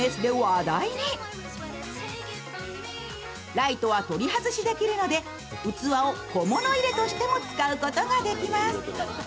ライトは取り外しできるので、器を小物入れとして使うこともできます。